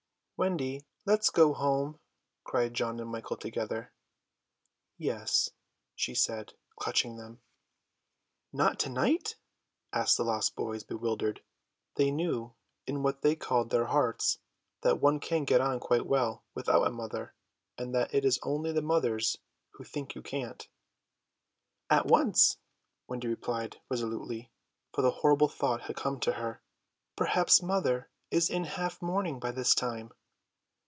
"Wendy, let us go home," cried John and Michael together. "Yes," she said, clutching them. "Not to night?" asked the lost boys bewildered. They knew in what they called their hearts that one can get on quite well without a mother, and that it is only the mothers who think you can't. "At once," Wendy replied resolutely, for the horrible thought had come to her: "Perhaps mother is in half mourning by this time."